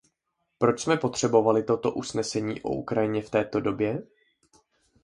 Proč jsme potřebovali toto usnesení o Ukrajině v této době?